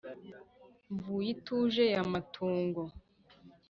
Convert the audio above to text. mvugo ituje ya matungo